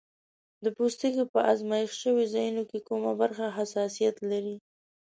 د پوستکي په آزمېښت شوي ځایونو کې کومه برخه حساسیت لري؟